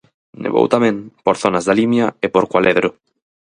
Nevou tamén por zonas da Limia e por Cualedro.